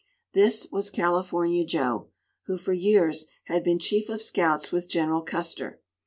This was California Joe, who for years had been chief of scouts with General Custer.